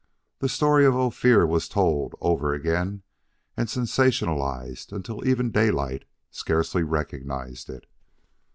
The story of Ophir was told over again and sensationalized until even Daylight scarcely recognized it.